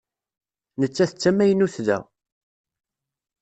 Nettat d tamaynut da.